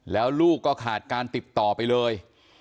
แล้วลูกก็ขาดการติดต่อไปเลย